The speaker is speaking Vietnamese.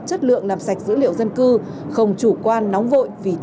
chất lượng làm sạch dữ liệu dân cư không chủ quan nóng vội vì